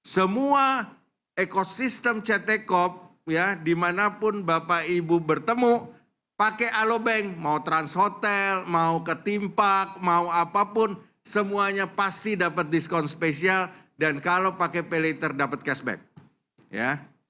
semua ekosistem cetecov ya dimanapun bapak ibu bertemu pakai alobank mau transhotel mau ketimpak mau apapun semuanya pasti dapat diskon spesial dan kalau pakai peliter dapat cashback ya